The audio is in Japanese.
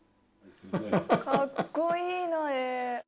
かっこいいな絵。